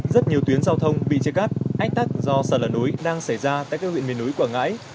rất nhiều tuyến giao thông bị chia cắt ách tắc do sạt lở núi đang xảy ra tại các huyện miền núi quảng ngãi